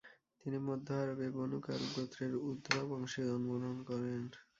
তিনি মধ্য আরবে বনু-কালব গোত্রের উধ্রা বংশে জন্ম গ্রহণ করেন।